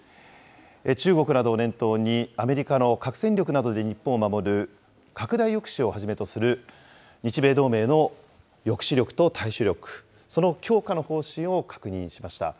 中国などを念頭に、アメリカの核戦力などで日本を守る、拡大抑止をはじめとする、日米同盟の抑止力と対処力、その強化の方針を確認しました。